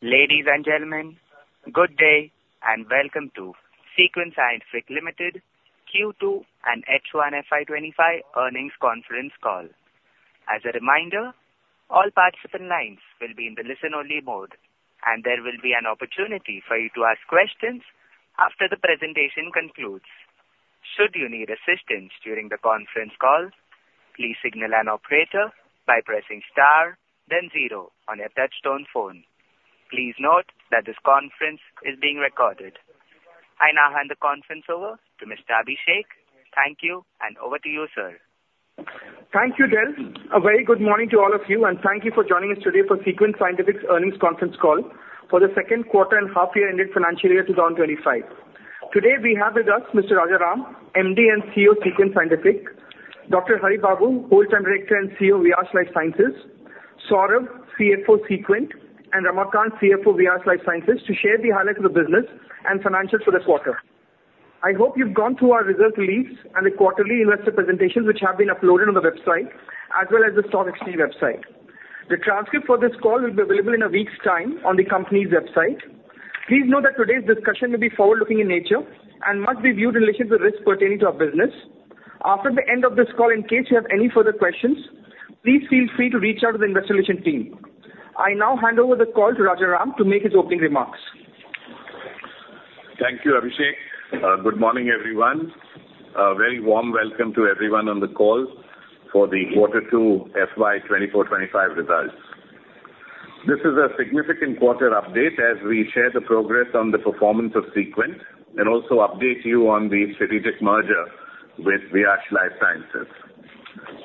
Ladies and gentlemen, good day and welcome to SeQuent Scientific Limited Q2 and H1 FY 2025 earnings conference call. As a reminder, all participant lines will be in the listen only mode and there will be an opportunity for you to ask questions after the presentation concludes. Should you need assistance during the conference call, please signal an operator by pressing star then zero on your touchtone phone. Please note that this conference is being recorded. I now hand the conference over to Mr. Abhishek. Thank you and over to you, sir. Thank you, Del. A very good morning to all of you and thank you for joining us today for SeQuent Scientific's earnings conference call for the second quarter and half year ended FY 2025. Today we have with us Mr. Rajaram, MD and CEO, SeQuent Scientific, Dr. Haribabu, Whole Time Director and CEO, Viyash Life Sciences, Saurav, CFO, SeQuent and Ramakant, CFO, Viyash Life Sciences to share the highlights of the business and financials for this quarter. I hope you've gone through our result release and the quarterly investor presentations which have been uploaded on the website as well as the stock exchange website. The transcript for this call will be available in a week's time on the company's website. Please note that today's discussion will be forward-looking in nature and must be viewed in relation to risks pertaining to our business. After the end of this call, in case you have any further questions, please feel free to reach out to the investor relation team. I now hand over the call to Rajaram to make his opening remarks. Thank you, Abhishek. Good morning, everyone. A very warm welcome to everyone on the call for the quarter two FY 2024-2025 results. This is a significant quarter update as we share the progress on the performance of SeQuent and also update you on the strategic merger with Viyash Life Sciences.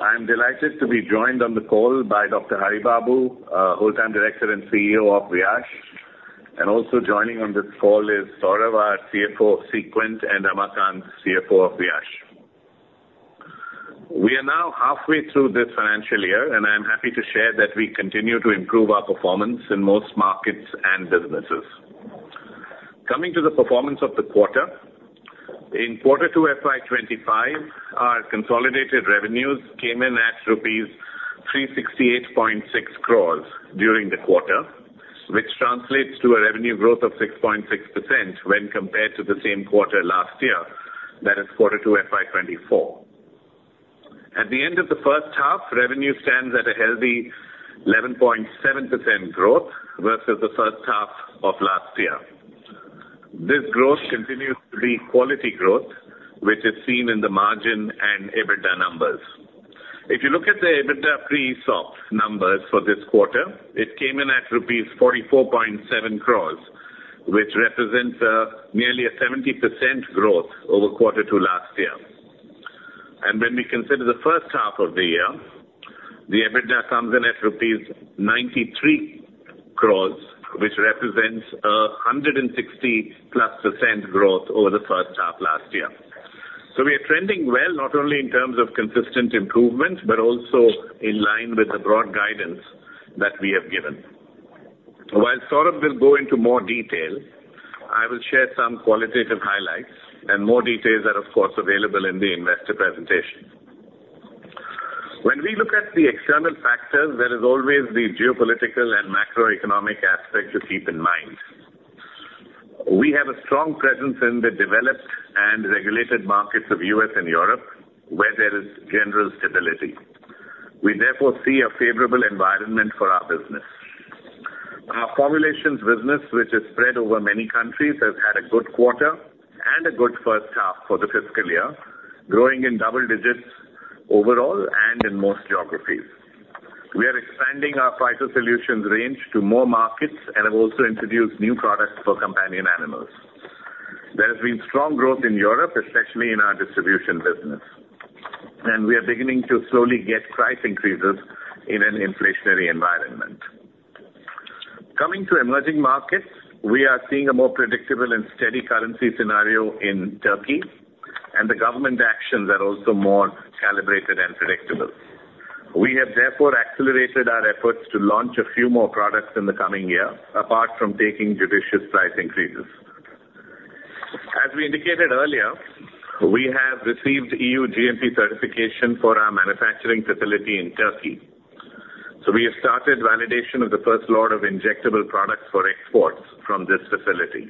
I'm delighted to be joined on the call by Dr. Haribabu, Whole Time Director and CEO of Viyash, and also joining on this call is Saurav, our CFO of SeQuent and Ramakanth, CFO of Viyash. We are now halfway through this financial year and I'm happy to share that we continue to improve our performance in most markets and businesses. Coming to the performance of the quarter. In quarter two FY 2025, our consolidated revenues came in at rupees 368.6 crores during the quarter, which translates to a revenue growth of 6.6% when compared to the same quarter last year, that is quarter two FY 2024. At the end of the first half, revenue stands at a healthy 11.7% growth versus the first half of last year. This growth continues to be quality growth which is seen in the margin and EBITDA numbers. If you look at the EBITDA pre-ESOP numbers for this quarter, it came in at rupees 44.7 crores, which represents nearly a 70% growth over quarter two last year. When we consider the first half of the year, the EBITDA comes in at rupees 93 crores, which represents 160+ percent growth over the first half last year. We are trending well not only in terms of consistent improvement, but also in line with the broad guidance that we have given. While Saurav will go into more detail, I will share some qualitative highlights and more details are of course available in the investor presentation. When we look at the external factors, there is always the geopolitical and macroeconomic aspect to keep in mind. We have a strong presence in the developed and regulated markets of U.S. and Europe where there is general stability. We therefore see a favorable environment for our business. Our formulations business which is spread over many countries has had a good quarter and a good first half for the fiscal year, growing in double digits overall and in most geographies. We are expanding our phyto-solutions range to more markets and have also introduced new products for companion animals. There has been strong growth in Europe, especially in our distribution business, and we are beginning to slowly get price increases in an inflationary environment. Coming to emerging markets, we are seeing a more predictable and steady currency scenario in Turkey and the government actions are also more calibrated and predictable. We have therefore accelerated our efforts to launch a few more products in the coming year apart from taking judicious price increases. As we indicated earlier, we have received EU GMP certification for our manufacturing facility in Turkey. We have started validation of the first lot of injectable products for exports from this facility.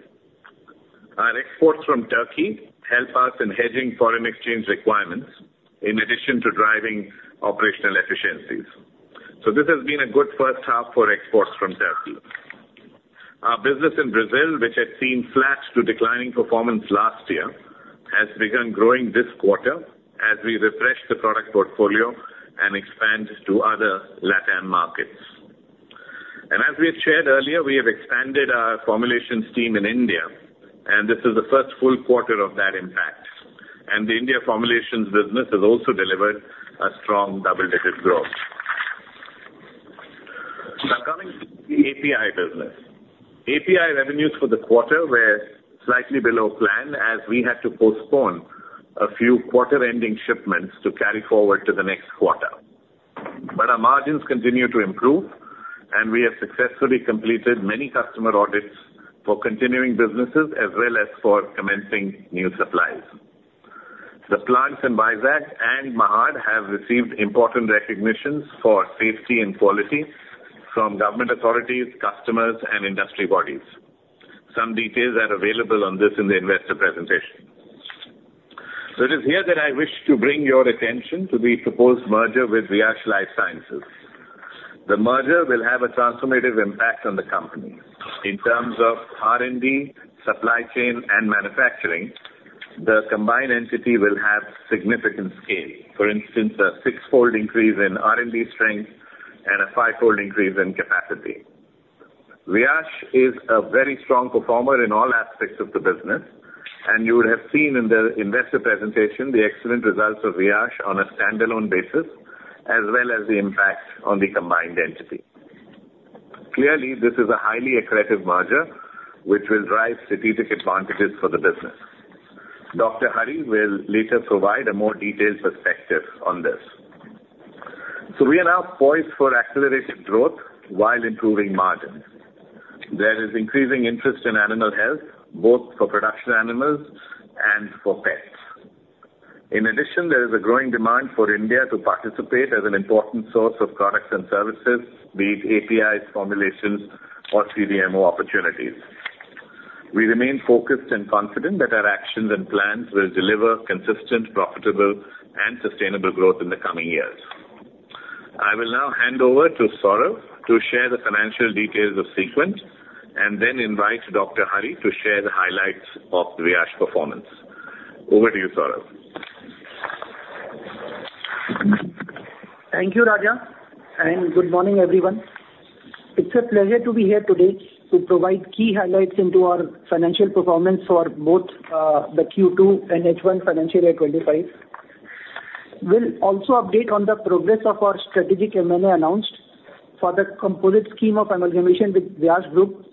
Our exports from Turkey help us in hedging foreign exchange requirements in addition to driving operational efficiencies. This has been a good first half for exports from Turkey. Our business in Brazil, which had seen flats to declining performance last year, has begun growing this quarter as we refresh the product portfolio and expand to other LatAm markets. As we have shared earlier, we have expanded our formulations team in India and this is the first full quarter of that impact. The India formulations business has also delivered a strong double-digit growth. Now coming to the API business. API revenues for the quarter were slightly below plan as we had to postpone a few quarter-ending shipments to carry forward to the next quarter. Our margins continue to improve and we have successfully completed many customer audits for continuing businesses as well as for commencing new supplies. The plants in Vizag and Mahad have received important recognitions for safety and quality from government authorities, customers, and industry bodies. Some details are available on this in the investor presentation. It is here that I wish to bring your attention to the proposed merger with Viyash Life Sciences. The merger will have a transformative impact on the company in terms of R&D, supply chain, and manufacturing. The combined entity will have significant scale. For instance, a six-fold increase in R&D strength and a five-fold increase in capacity. Viyash is a very strong performer in all aspects of the business, and you would have seen in the investor presentation the excellent results of Viyash on a standalone basis, as well as the impact on the combined entity. Clearly, this is a highly accretive merger, which will drive strategic advantages for the business. Dr. Hari will later provide a more detailed perspective on this. We are now poised for accelerated growth while improving margins. There is increasing interest in animal health, both for production animals and for pets. In addition, there is a growing demand for India to participate as an important source of products and services, be it APIs, formulations or CDMO opportunities. We remain focused and confident that our actions and plans will deliver consistent, profitable, and sustainable growth in the coming years. I will now hand over to Saurav to share the financial details of SeQuent, and then invite Dr. Hari to share the highlights of Viyash performance. Over to you, Saurav. Thank you, Raja, and good morning, everyone. It's a pleasure to be here today to provide key highlights into our financial performance for both the Q2 and H1 FY 2025. We'll also update on the progress of our strategic M&A announced for the composite scheme of amalgamation with Viyash Group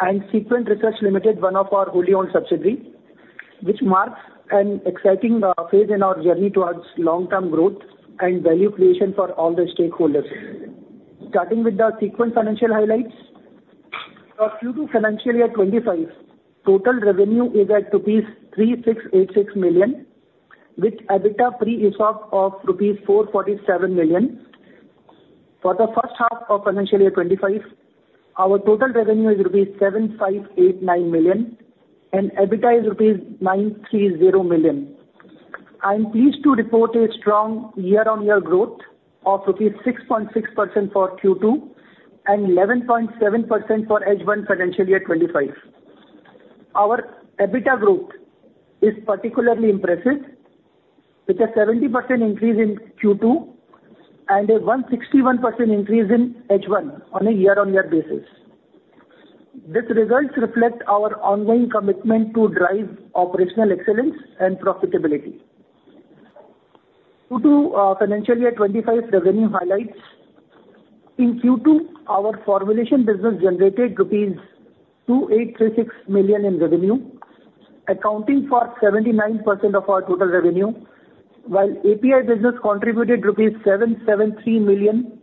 and SeQuent Research Limited, one of our wholly-owned subsidiaries, which marks an exciting phase in our journey towards long-term growth and value creation for all the stakeholders. Starting with the SeQuent financial highlights. For Q2 FY 2025, total revenue is at rupees 3,686 million, with EBITDA pre-ESOP of rupees 447 million. For the first half of FY 2025, our total revenue is rupees 7,589 million and EBITDA is rupees 930 million. I'm pleased to report a strong year-on-year growth of rupee 6.6% for Q2 and 11.7% for H1 FY 2025. Our EBITDA growth is particularly impressive, with a 70% increase in Q2 and a 161% increase in H1 on a year-on-year basis. These results reflect our ongoing commitment to drive operational excellence and profitability. Q2 FY 2025 revenue highlights. In Q2, our formulation business generated rupees 2,836 million in revenue, accounting for 79% of our total revenue, while API business contributed rupees 773 million,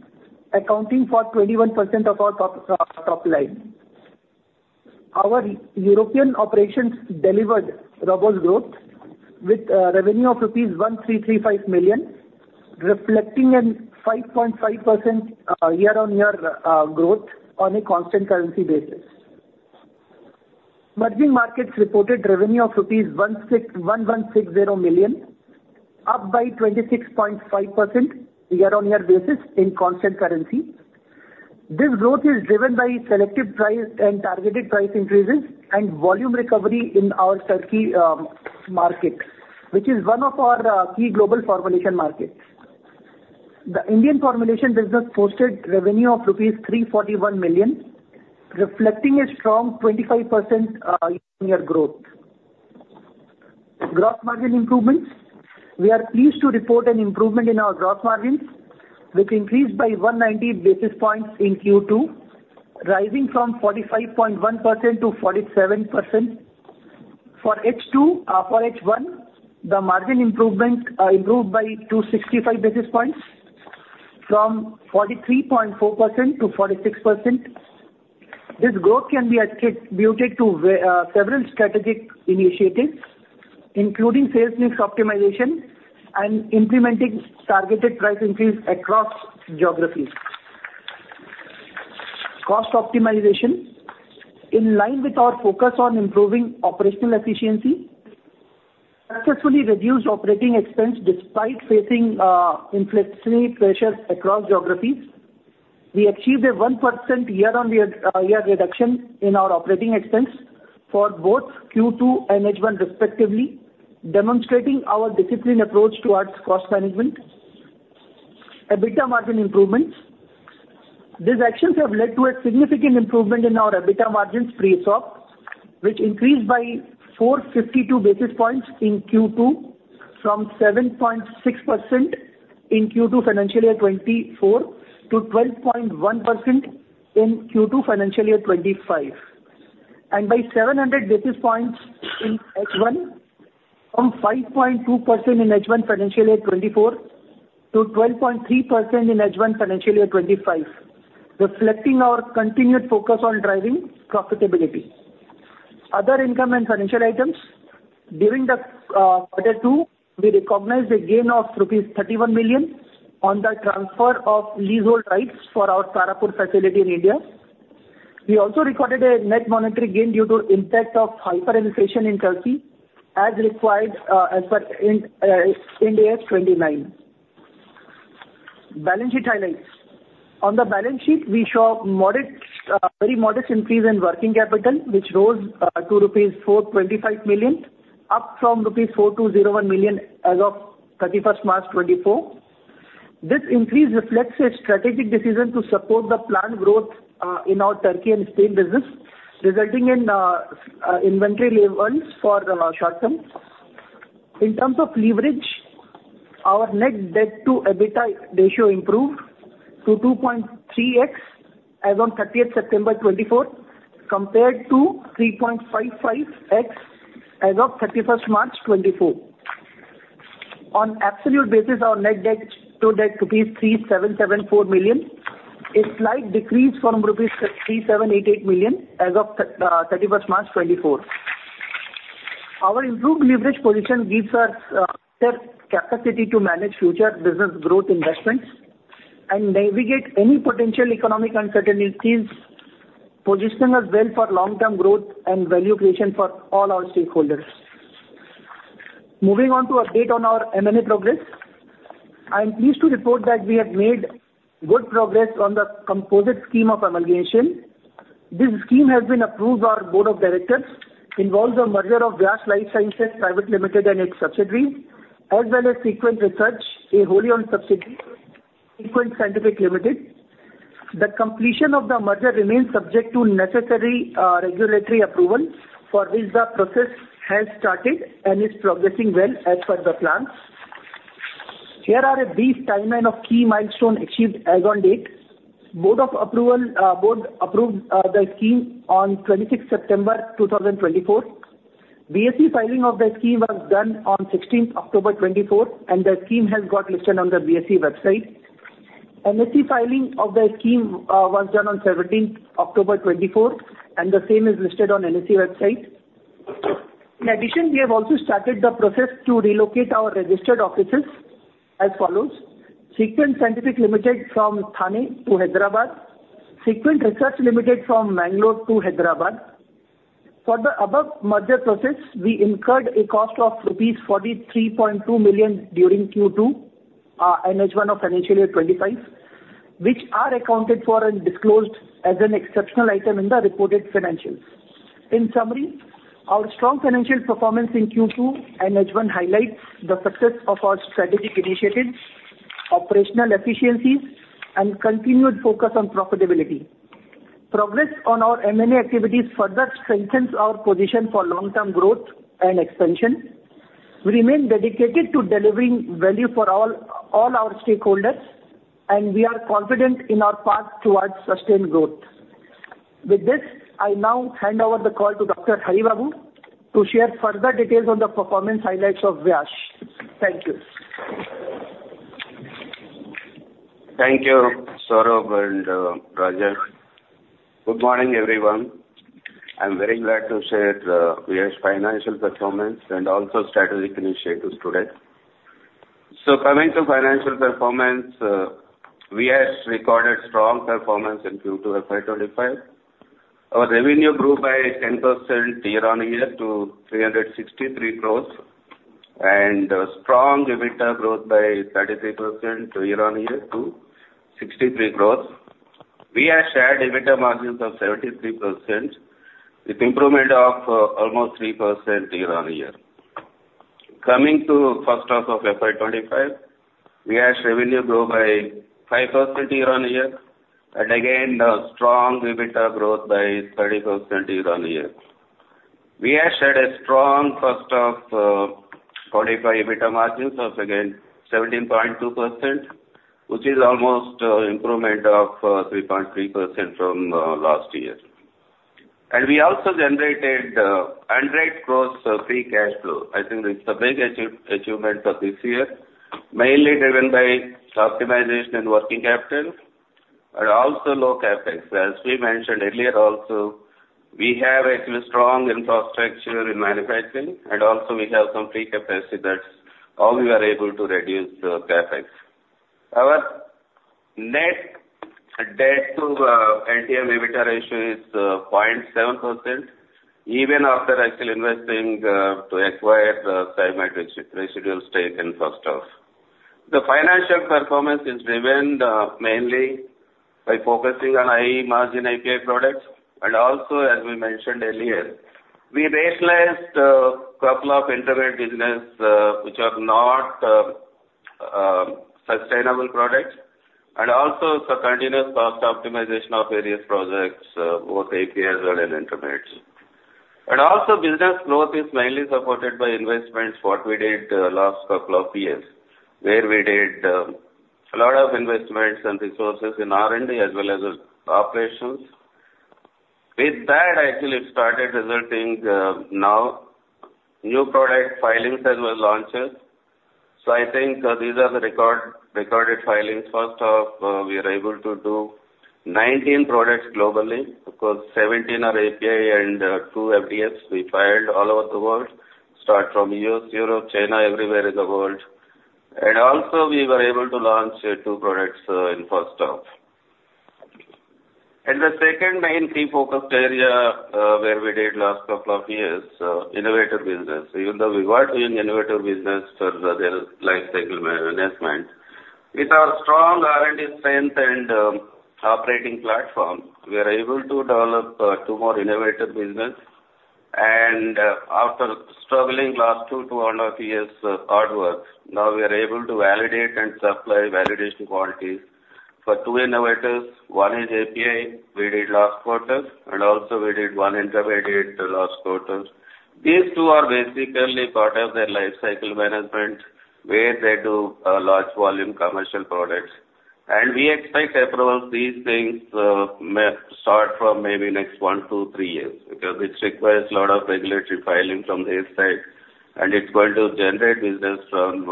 accounting for 21% of our top line. Our European operations delivered robust growth with revenue of rupees 1,335 million, reflecting a 5.5% year-on-year growth on a constant currency basis. Emerging markets reported revenue of 1,160 million, up by 26.5% year-on-year basis in constant currency. This growth is driven by selective price and targeted price increases and volume recovery in our Turkey market, which is one of our key global formulation markets. The Indian formulation business posted revenue of rupees 341 million, reflecting a strong 25% year-on-year growth. Gross margin improvements. We are pleased to report an improvement in our gross margins, which increased by 190 basis points in Q2, rising from 45.1% to 47%. For H1, the margin improved by 265 basis points from 43.4% to 46%. This growth can be attributed to several strategic initiatives, including sales mix optimization and implementing targeted price increase across geographies. Cost optimization. In line with our focus on improving operational efficiency, successfully reduced operating expense despite facing inflationary pressures across geographies. We achieved a 1% year-on-year reduction in our operating expense for both Q2 and H1 respectively, demonstrating our disciplined approach towards cost management. EBITDA margin improvements. These actions have led to a significant improvement in our EBITDA margins pre-ESOP, which increased by 452 basis points in Q2 from 7.6% in Q2 financial year 2024 to 12.1% in Q2 financial year 2025. By 700 basis points in H1 from 5.2% in H1 financial year 2024 to 12.3% in H1 financial year 2025, reflecting our continued focus on driving profitability. Other income and financial items. During the quarter two, we recognized a gain of rupees 31 million on the transfer of leasehold rights for our Tarapur facility in India. We also recorded a net monetary gain due to impact of hyperinflation in Turkey as required as per Ind AS 29. Balance sheet highlights. On the balance sheet, we show a very modest increase in working capital, which rose to rupees 425 million, up from rupees 4,201 million as of 31st March 2024. This increase reflects a strategic decision to support the planned growth in our Turkey and Spain business, resulting in inventory levels for the short term. In terms of leverage, our net debt to EBITDA ratio improved to 2.3x as on 30th September 2024, compared to 3.55x as of 31st March 2024. On absolute basis, our net debt stood at rupees 3,774 million, a slight decrease from rupees 3,788 million as of 31st March 2024. Our improved leverage position gives us capacity to manage future business growth investments and navigate any potential economic uncertainties, positioning us well for long-term growth and value creation for all our stakeholders. Moving on to update on our M&A progress. I'm pleased to report that we have made good progress on the composite scheme of amalgamation. This scheme has been approved by our Board of Directors, involves a merger of Viyash Life Sciences Private Limited and its subsidiaries, as well as SeQuent Research, a wholly owned subsidiary, SeQuent Scientific Limited. The completion of the merger remains subject to necessary regulatory approval, for which the process has started and is progressing well as per the plans. Here are a brief timeline of key milestones achieved as on date. Board approved the scheme on 26th September 2024. BSE filing of the scheme was done on 16th October 2024, and the scheme has got listed on the BSE website. NSE filing of the scheme was done on 17th October 2024, and the same is listed on NSE website. In addition, we have also started the process to relocate our registered offices as follows: SeQuent Scientific Limited from Thane to Hyderabad, SeQuent Research Limited from Bangalore to Hyderabad. For the above merger process, we incurred a cost of rupees 43.2 million during Q2 and H1 of FY 2025, which are accounted for and disclosed as an exceptional item in the reported financials. In summary, our strong financial performance in Q2 and H1 highlights the success of our strategic initiatives, operational efficiencies and continued focus on profitability. Progress on our M&A activities further strengthens our position for long-term growth and expansion. We remain dedicated to delivering value for all our stakeholders, and we are confident in our path towards sustained growth. With this, I now hand over the call to Dr. Haribabu to share further details on the performance highlights of Viyash. Thank you. Thank you, Saurav and Raja. Good morning, everyone. I'm very glad to share Viyash financial performance and also strategic initiatives today. Coming to financial performance, Viyash recorded strong performance in Q2 FY 2025. Our revenue grew by 10% year-on-year to 363 crores, and strong EBITDA growth by 33% year-on-year to 63 crores. Viyash had EBITDA margins of 73%, with improvement of almost 3% year-on-year. Coming to first half of FY 2025, Viyash revenue grow by 5% year-on-year, and again, a strong EBITDA growth by 30% year-on-year. Viyash had a strong first half 2025 EBITDA margins of again 17.2%, which is almost improvement of 3.3% from last year. We also generated INR 100 crores free cash flow. I think it's the big achievement of this year, mainly driven by optimization and working capital, and also low CapEx. As we mentioned earlier also, we have a strong infrastructure in manufacturing, and also we have some free capacity. That's how we were able to reduce the CapEx. Our net debt to NTM EBITDA ratio is 0.7%, even after actually investing to acquire the Symed residual stake in first half. The financial performance is driven mainly by focusing on high margin API products, and also as we mentioned earlier, we rationalized couple of intermediate business, which are not sustainable products, and also the continuous cost optimization of various projects, both APIs and intermediates. Business growth is mainly supported by investments, what we did last couple of years, where we did a lot of investments and resources in R&D as well as operations. With that actually started resulting now new product filings as well launches. I think these are the recorded filings first half we are able to do 19 products globally because 17 are API and two FDFs we filed all over the world, start from U.S., Europe, China, everywhere in the world. Also we were able to launch two products in first half. The second main key focused area, where we did last couple of years, innovative business. Even though we were doing innovative business for their life cycle management. With our strong R&D strength and operating platform, we are able to develop two more innovative business and after struggling last two to one and a half years of hard work, now we are able to validate and supply validation quantities for two innovators. One is API, we did last quarter, and also we did one intermediate last quarter. These two are basically part of their life cycle management, where they do a large volume commercial products. We expect approval of these things may start from maybe next one to three years, because it requires a lot of regulatory filings from their side and it's going to generate business from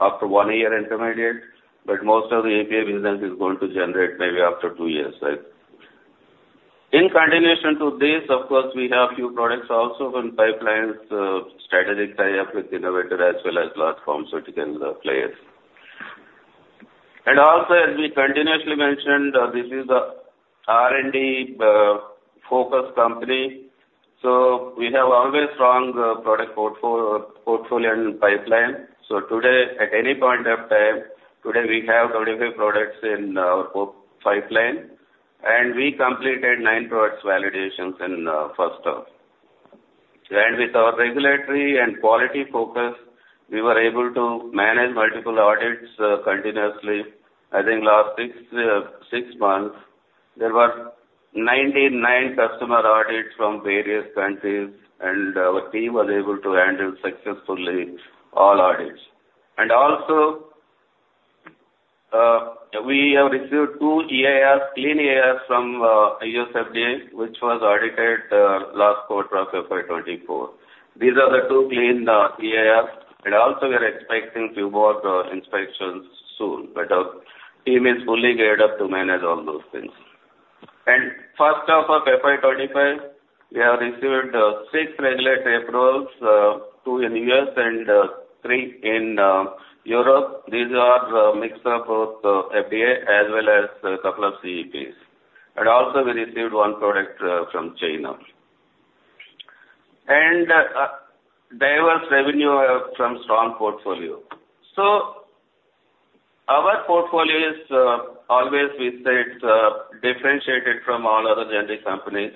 after one year intermediate. Most of the API business is going to generate maybe after two years. In continuation to this, of course, we have few products also in pipelines, strategic tie-up with innovator as well as platform certificate players. As we continuously mentioned, this is a R&D-focused company. We have always strong product portfolio and pipeline. Today, at any point of time, today we have 35 products in our pipeline, and we completed nine products validations in first half. With our regulatory and quality focus, we were able to manage multiple audits continuously. I think last six months, there were 99 customer audits from various countries, and our team was able to handle successfully all audits. Also, we have received two clean EIRs from U.S. FDA, which was audited last quarter of FY 2024. These are the two clean EIRs, and also we are expecting few more inspections soon. Our team is fully geared up to manage all those things. First half of FY 2025, we have received six regular approvals, two in U.S. and three in Europe. These are mix of both U.S. FDA as well as couple of CEPs. Also we received one product from China. Diverse revenue from strong portfolio. Our portfolio is always, we say it's differentiated from all other generic companies.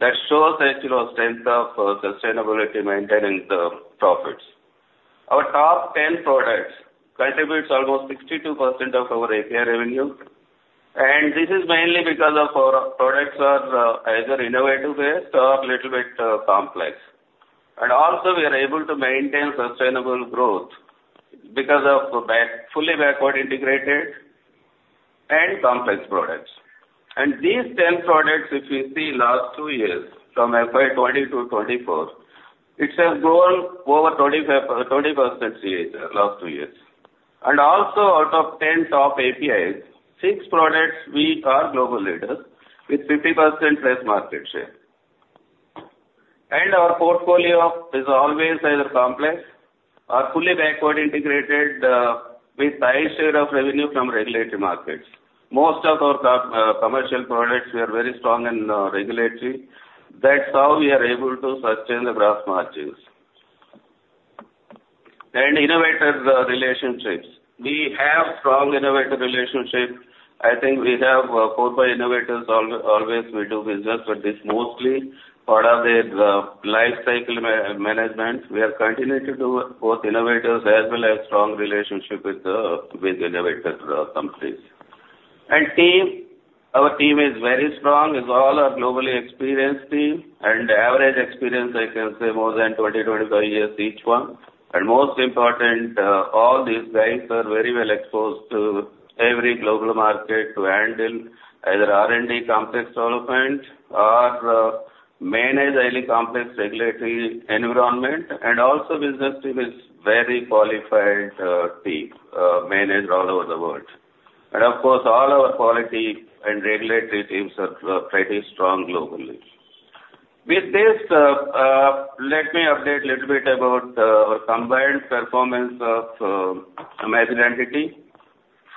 That shows actually our strength of sustainability, maintaining the profits. Our top 10 products contributes almost 62% of our API revenue. This is mainly because of our products are either innovative-based or little bit complex. Also we are able to maintain sustainable growth because of fully backward integrated and complex products. These 10 products, if you see last two years from FY 2020 to 2024, it has grown over 20% CAGR last two years. Also out of 10 top APIs, six products we are global leaders with 50%+ market share. Our portfolio is always either complex or fully backward integrated, with high share of revenue from regulatory markets. Most of our commercial products, we are very strong in regulatory. That's how we are able to sustain the gross margins. Innovators relationships. We have strong innovator relationship. I think we have four, five innovators always we do business with this mostly part of their life cycle management. We are continuing to do both innovators as well as strong relationship with innovator companies. Team, our team is very strong, is all our globally experienced team and average experience, I can say more than 20, 25 years, each one. Most important, all these guys are very well exposed to every global market to handle either R&D complex development or manage highly complex regulatory environment. Also business team is very qualified team, managed all over the world. Of course, all our quality and regulatory teams are pretty strong globally. With this, let me update little bit about our combined performance of merged entity.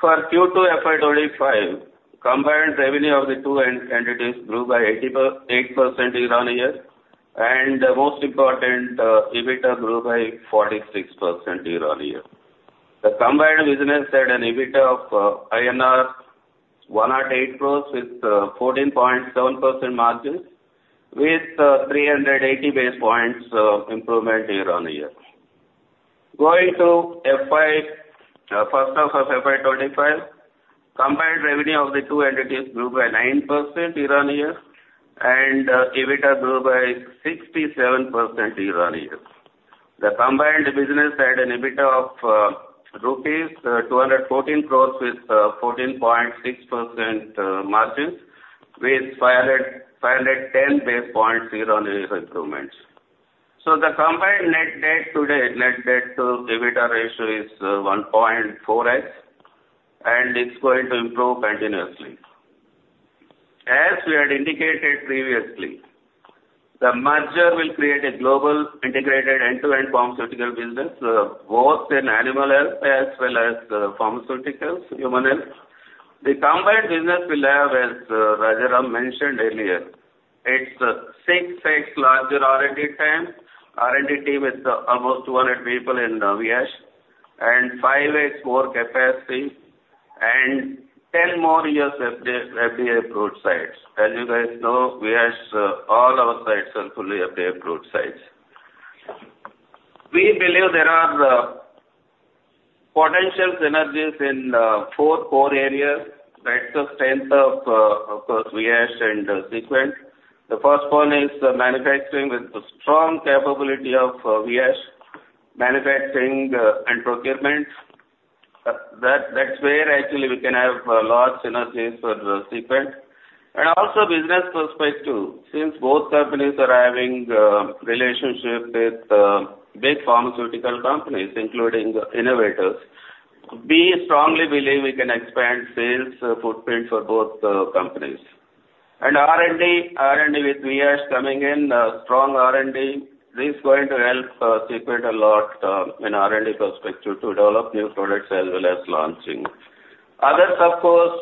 For Q2 FY 2025, combined revenue of the two entities grew by 8% year-on-year. Most important, EBITDA grew by 46% year-on-year. The combined business had an EBITDA of INR 108 crores with 14.7% margins with 380 base points improvement year-on-year. Going to first half of FY 2025, combined revenue of the two entities grew by 9% year-on-year and EBITDA grew by 67% year-on-year. The combined business had an EBITDA of rupees 214 crores with 14.6% margins with 510 base points year-on-year improvements. The combined net debt to EBITDA ratio is 1.4x, and it's going to improve continuously. As we had indicated previously, the merger will create a global integrated end-to-end pharmaceutical business, both in animal health as well as pharmaceuticals, human health. The combined business will have, as Rajaram mentioned earlier, it's 6x larger R&D spend, R&D team with almost 200 people in Viyash, and 5x more capacity and 10 more years of FDA approved sites. As you guys know, Viyash, all our sites are fully FDA approved sites. We believe there are potential synergies in four core areas. That's the strength of course, Viyash and SeQuent. The first one is the manufacturing with the strong capability of Viyash manufacturing and procurement. That's where actually we can have large synergies for SeQuent. Also business prospects too. Since both companies are having relationship with Big Pharma companies, including innovators, we strongly believe we can expand sales footprint for both companies. R&D with Viyash coming in, strong R&D, this is going to help SeQuent a lot in R&D perspective to develop new products as well as launching. Others, of course,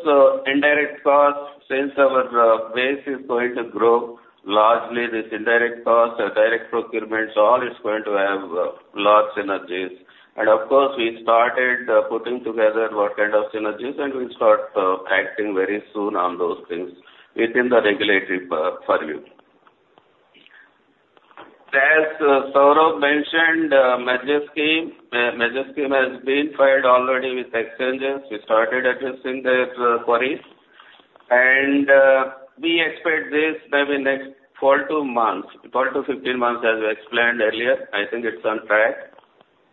indirect costs. Since our base is going to grow largely, this indirect cost, direct procurements, all is going to have large synergies. Of course, we started putting together what kind of synergies, and we'll start acting very soon on those things within the regulatory purview. As Saurav mentioned, merger scheme has been filed already with exchanges. We started addressing their queries, and we expect this maybe next 12 to 15 months, as we explained earlier. I think it is on track.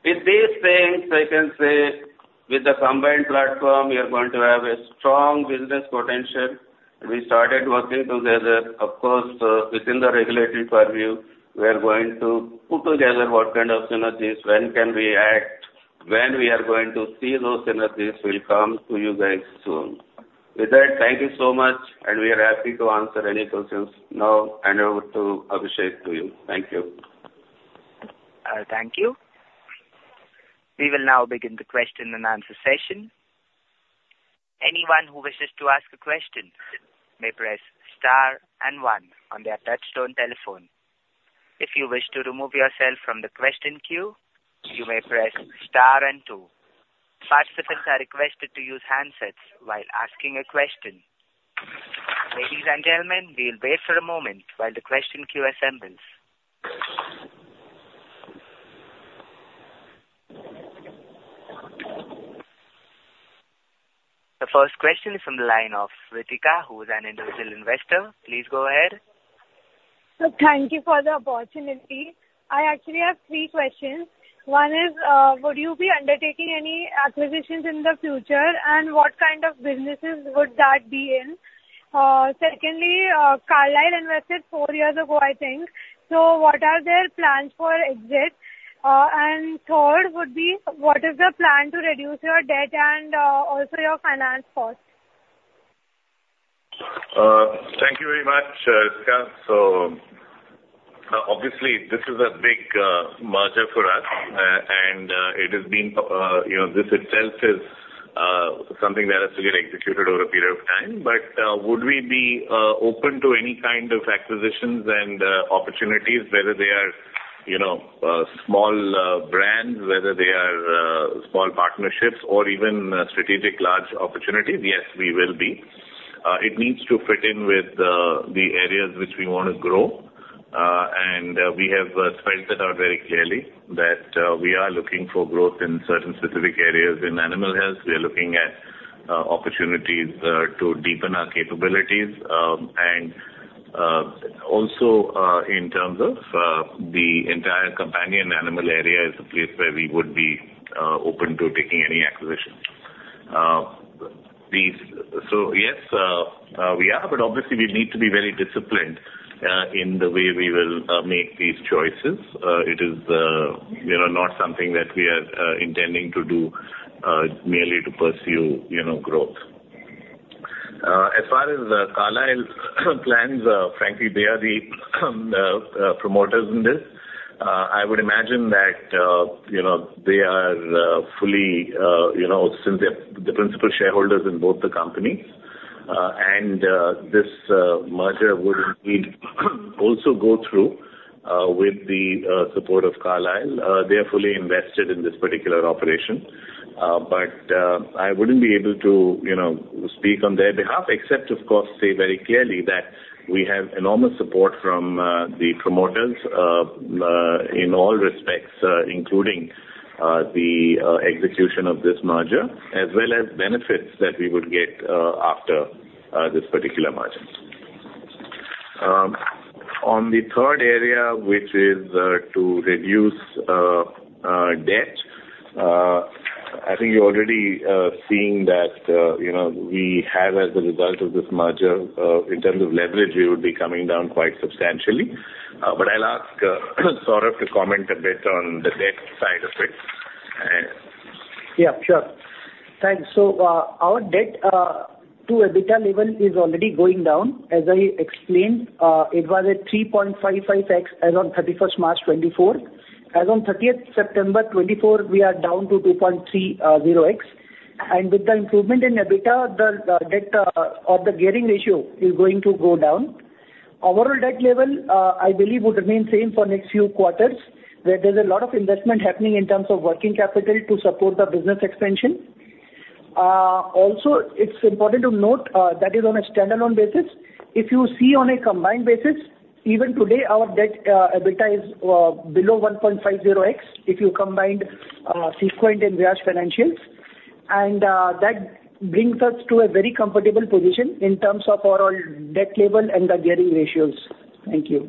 With these things, I can say with the combined platform, we are going to have a strong business potential. We started working together, of course, within the regulatory purview. We are going to put together what kind of synergies, when can we act, when we are going to see those synergies will come to you guys soon. With that, thank you so much, and we are happy to answer any questions. Now, hand over to Abhishek to you. Thank you. Thank you. We will now begin the question and answer session. Anyone who wishes to ask a question may press star and one on their touch-tone telephone. If you wish to remove yourself from the question queue, you may press star and two. Participants are requested to use handsets while asking a question. Ladies and gentlemen, we will wait for a moment while the question queue assembles. The first question is from the line of Ritika, who is an individual investor. Please go ahead. Sir, thank you for the opportunity. I actually have three questions. One is, would you be undertaking any acquisitions in the future, and what kind of businesses would that be in? Secondly, Carlyle invested four years ago, I think. What are their plans for exit? Third would be, what is the plan to reduce your debt and also your finance costs? Thank you very much, Ritika. Obviously, this is a big merger for us. This itself is something that has to get executed over a period of time. Would we be open to any kind of acquisitions and opportunities, whether they are small brands, whether they are small partnerships or even strategic large opportunities? Yes, we will be. It needs to fit in with the areas which we want to grow. We have spelled that out very clearly that we are looking for growth in certain specific areas. In animal health, we are looking at opportunities to deepen our capabilities. Also, in terms of the entire companion animal area is a place where we would be open to taking any acquisition. Yes, we are, but obviously, we need to be very disciplined in the way we will make these choices. It is not something that we are intending to do merely to pursue growth. As far as Carlyle's plans, frankly, they are the promoters in this. I would imagine that since they're the principal shareholders in both the companies, and this merger would indeed also go through with the support of Carlyle. They are fully invested in this particular operation. I wouldn't be able to speak on their behalf except, of course, say very clearly that we have enormous support from the promoters in all respects, including the execution of this merger, as well as benefits that we would get after this particular merger. On the third area, which is to reduce debt, I think you're already seeing that we have, as a result of this merger, in terms of leverage, we would be coming down quite substantially. I'll ask Saurav to comment a bit on the debt side of it. Yeah, sure. Thanks. Our debt to EBITDA level is already going down. As I explained, it was at 3.55x as on 31st March 2024. As on 30th September 2024, we are down to 2.30x. With the improvement in EBITDA, the debt of the gearing ratio is going to go down. Overall debt level, I believe, would remain same for next few quarters, where there's a lot of investment happening in terms of working capital to support the business expansion. It's important to note that is on a standalone basis. If you see on a combined basis, even today, our debt EBITDA is below 1.50x if you combined SeQuent and Viyash financials. That brings us to a very comfortable position in terms of overall debt level and the gearing ratios. Thank you.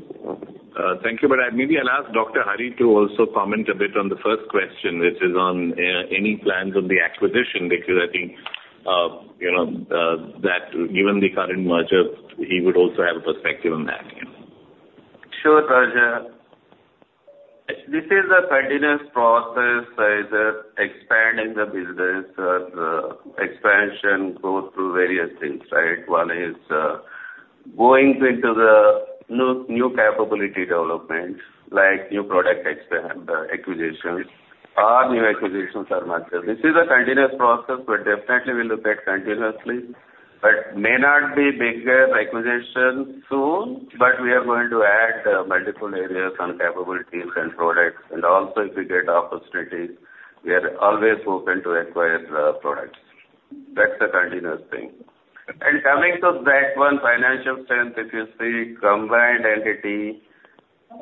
Thank you. Maybe I'll ask Dr. Hari to also comment a bit on the first question, which is on any plans on the acquisition. Because I think that given the current merger, he would also have a perspective on that. Sure, Raja. This is a continuous process, either expanding the business, expansion goes through various things, right? One is going into the new capability developments, like new product acquisitions or new acquisitions or mergers. This is a continuous process, definitely we look at continuously. May not be bigger acquisitions soon, but we are going to add multiple areas on capabilities and products. Also, if we get opportunities, we are always open to acquire products. That's a continuous thing. Coming to that one, financial strength, if you see combined entity,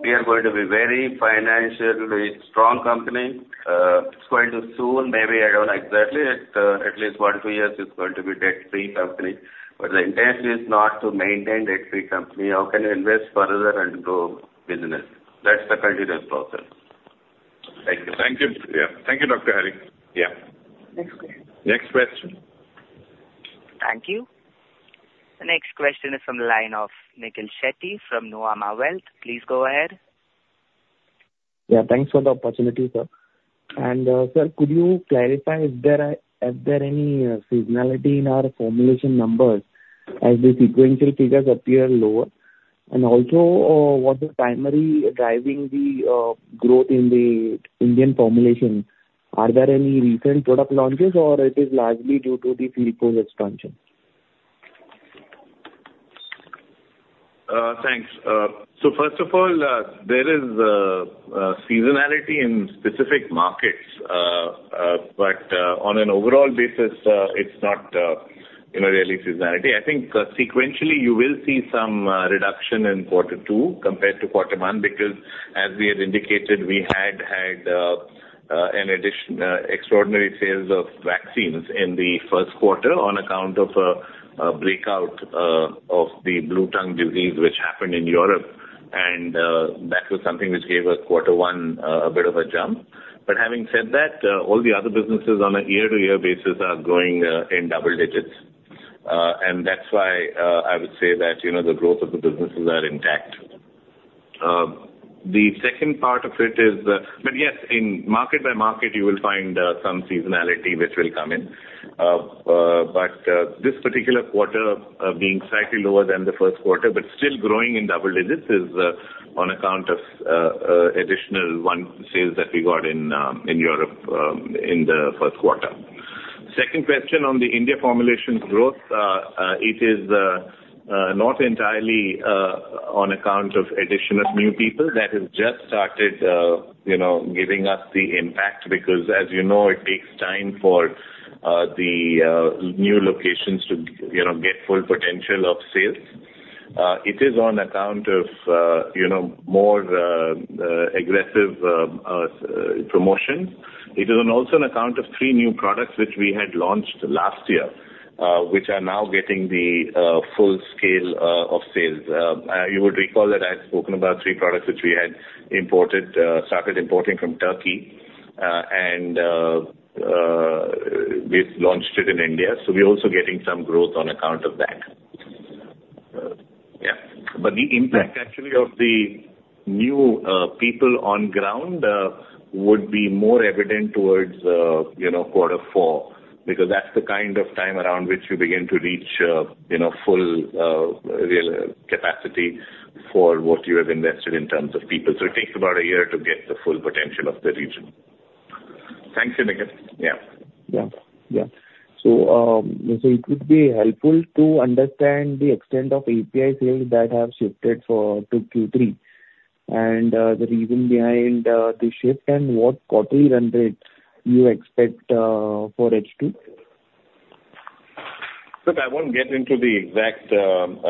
we are going to be very financially strong company. It's going to soon, maybe I don't know exactly, at least one, two years, it's going to be debt-free company. The intention is not to maintain debt-free company. How can you invest further into business? That's the continuous process. Thank you. Thank you. Yeah. Thank you, Dr. Hari. Yeah. Next question. Thank you. The next question is from the line of Nikhil Shetty from Nuvama Wealth. Please go ahead. Yeah, thanks for the opportunity, sir. Sir, could you clarify, is there any seasonality in our formulation numbers as the sequential figures appear lower? Also, what's primarily driving the growth in the Indian formulation? Are there any recent product launches, or it is largely due to the field force expansion? Thanks. First of all, there is seasonality in specific markets. On an overall basis, it's not really seasonality. I think sequentially, you will see some reduction in quarter two compared to quarter one, because as we had indicated, we had had an extraordinary sales of vaccines in the first quarter on account of a breakout of the bluetongue disease, which happened in Europe. That was something which gave us quarter one a bit of a jump. Having said that, all the other businesses on a year-to-year basis are growing in double digits. That's why I would say that the growth of the businesses are intact. Yes, in market by market, you will find some seasonality which will come in. This particular quarter being slightly lower than the first quarter but still growing in double digits is on account of additional one sales that we got in Europe in the first quarter. Second question on the India formulation growth. It is not entirely on account of addition of new people that has just started giving us the impact, because as you know, it takes time for the new locations to get full potential of sales. It is on account of more aggressive promotions. It is also on account of three new products which we had launched last year, which are now getting the full scale of sales. You would recall that I had spoken about three products which we had started importing from Turkey. We've launched it in India. We're also getting some growth on account of that. Yeah. The impact actually of the new people on ground would be more evident towards quarter four, because that's the kind of time around which you begin to reach full real capacity for what you have invested in terms of people. It takes about a year to get the full potential of the region. Thanks, Nikhil. Yeah. Yeah. It would be helpful to understand the extent of API sales that have shifted to Q3 and the reason behind the shift and what quarterly run rates you expect for H2? Look, I won't get into the exact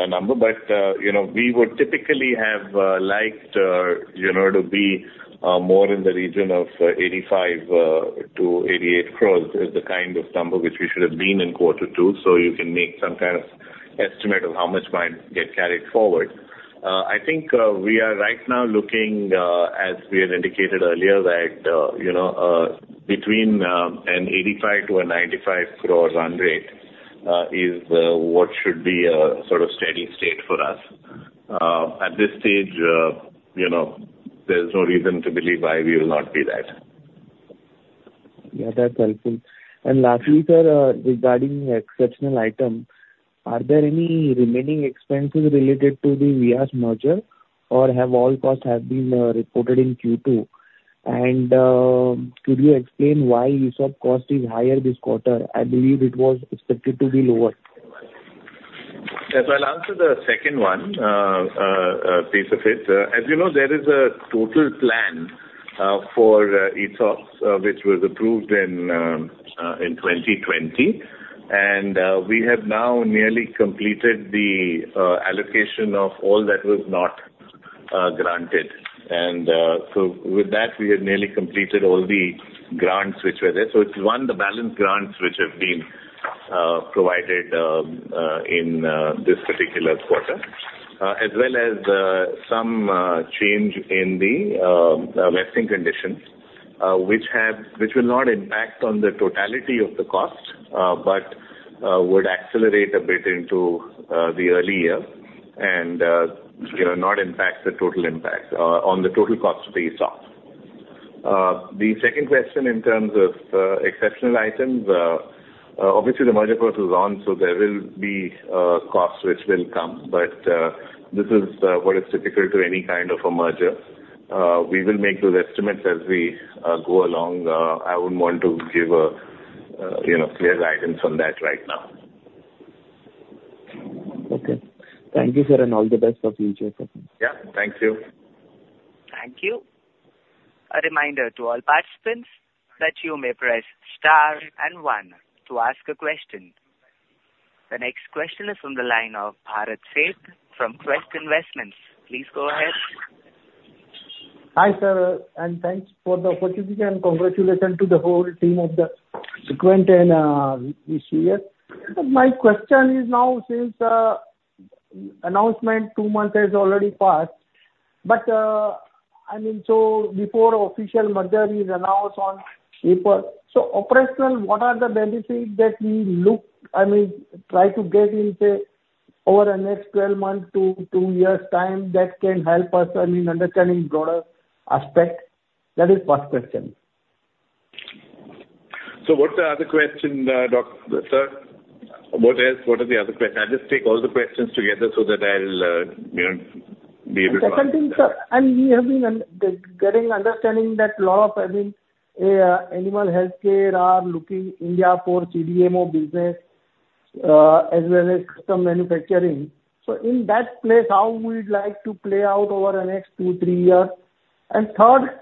number, but we would typically have liked to be more in the region of 85 crore-88 crore is the kind of number which we should have been in quarter two. You can make some kind of estimate of how much might get carried forward. We are right now looking, as we had indicated earlier, that between an 85 crore-95 crore run rate is what should be a steady state for us. At this stage, there's no reason to believe why we will not be that. Yeah, that's helpful. Lastly, sir, regarding the exceptional item, are there any remaining expenses related to the Viyash merger, or have all costs been reported in Q2? Could you explain why ESOP cost is higher this quarter? I believe it was expected to be lower. Yes, I'll answer the second one, piece of it. As you know, there is a total plan for ESOPs which was approved in 2020, and we have now nearly completed the allocation of all that was not granted. With that, we have nearly completed all the grants which were there. It's, one, the balance grants which have been provided in this particular quarter. As well as some change in the vesting conditions, which will not impact on the totality of the cost but would accelerate a bit into the early year and not impact the total impact on the total cost of the ESOP. The second question in terms of exceptional items, obviously, the merger process is on, so there will be costs which will come. This is what is typical to any kind of a merger. We will make those estimates as we go along. I wouldn't want to give clear guidance on that right now. Okay. Thank you, sir, and all the best for future performance. Yeah, thank you. Thank you. A reminder to all participants that you may press star and one to ask a question. The next question is from the line of Bharat Sheth from Quest Investments. Please go ahead. Hi, sir, and thanks for the opportunity, and congratulations to the whole team of the SeQuent and Viyash. My question is now since announcement two months has already passed, but before official merger is announced on paper. Operational, what are the benefits that we try to get in, say, over the next 12 months to two years' time that can help us in understanding broader aspect? That is first question. What's the other question, sir? What are the other questions? I'll just take all the questions together so that I'll be able to answer. The second thing, sir. We have been getting understanding that lot of animal healthcare are looking India for CDMO business as well as custom manufacturing. In that place, how we'd like to play out over the next two, three years? Third,